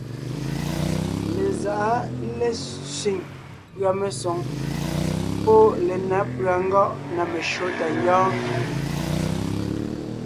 Lezáʼa lésẅiŋ pʉ̀a mesoŋ pɔ́ lenǎ pʉ̀a ngɔ́ʼ na meshÿó tà ńgyɔ́ɔn.